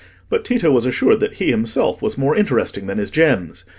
But Tito was assured that he himself was more interesting than his gems.